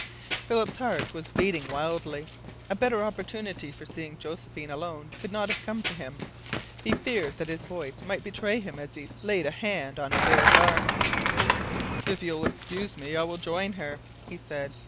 Philip's heart was beating wildly. A better opportunity for seeing Josephine alone could not have come to him. He feared that his voice might betray him as he laid a hand on Adare's arm. "If you will excuse me I will join her," he said.